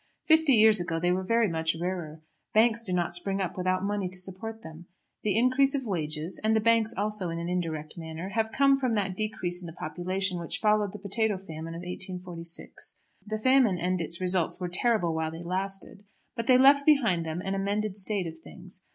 Fifty years ago they were very much rarer. Banks do not spring up without money to support them. The increase of wages, and the banks also in an indirect manner, have come from that decrease in the population which followed the potato famine of 1846. The famine and its results were terrible while they lasted; but they left behind them an amended state of things.